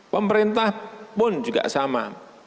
pemerintah pun juga sama